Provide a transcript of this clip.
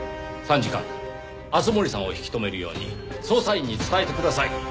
参事官敦盛さんを引き留めるように捜査員に伝えてください。